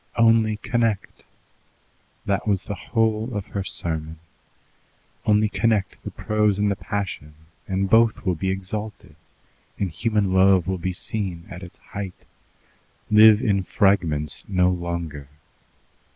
Only connect! That was the whole of her sermon. Only connect the prose and the passion, and both will be exalted, and human love will be seen at its height. Live in fragments no longer.